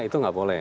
itu nggak boleh